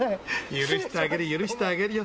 許してあげる、許してあげるよ。